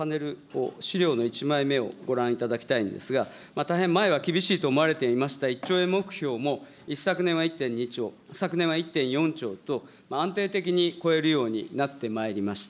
パネルを、資料の１枚目をご覧いただきたいんですが、大変前は厳しいと思われていました１兆円目標も、一昨年は１．２兆、昨年は１．４兆と、安定的に超えるようになってまいりました。